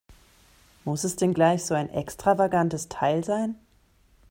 Muss es denn gleich so ein extravagantes Teil sein?